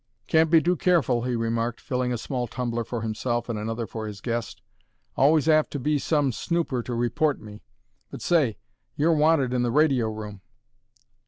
"Can't be too careful," he remarked, filling a small tumbler for himself and another for his guest. "Always apt to be some snooper to report me. But say you're wanted in the radio room."